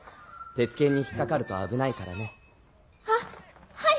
哲研に引っかかると危ないからね。ははい！